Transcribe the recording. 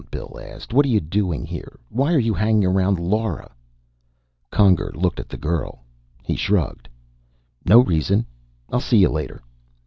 Bill asked. "What are you doing here? Why are you hanging around Lora?" Conger looked at the girl. He shrugged. "No reason. I'll see you later."